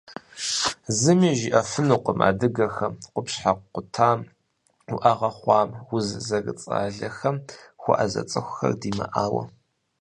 Зыми жиӏэфынукъым адыгэхэм къупщхьэ къутам, уӏэгъэ хъуам, уз зэрыцӏалэхэм хуэӏэзэ цӏыхухэр димыӏауэ.